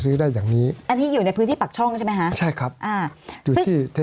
สวัสดีครับทุกคน